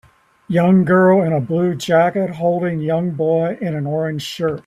Young girl in a blue jacket holding young boy in an orange shirt